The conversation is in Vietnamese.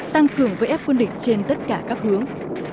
tăng cường với ép quân địch trên tất cả các hướng